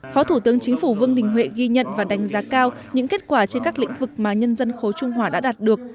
phó thủ tướng chính phủ vương đình huệ ghi nhận và đánh giá cao những kết quả trên các lĩnh vực mà nhân dân khối trung hòa đã đạt được